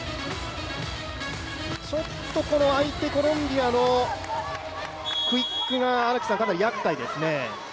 ちょっと相手、コロンビアのクイックがかなりやっかいですね。